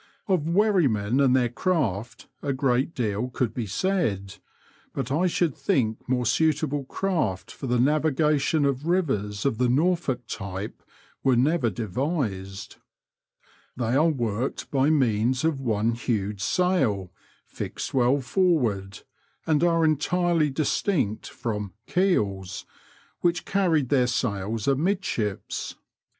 Of wherrymen and their craft a great deal could be said, but I should think more suitable craft for the navigation of rivers of the Norfolk type were never devised. 'They are worked by means of one huge sail, fixed well forward, Digitized by VjOOQIC ST OLAVES TO YARMOUTH AND AOLE. 61 and are entirely distinct from "keels,*' which carried their sails amidships.